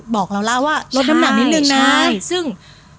บอกแล้วละว่าลดน้ำหนังนิดนึงนะ